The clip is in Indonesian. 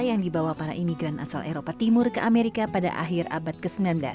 yang dibawa para imigran asal eropa timur ke amerika pada akhir abad ke sembilan belas